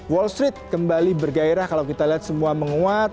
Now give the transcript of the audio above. wall street kembali bergairah kalau kita lihat semua menguat